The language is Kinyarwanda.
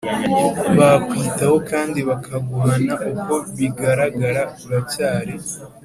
bakwitaho kandi bakaguhana Uko bigaragara uracyari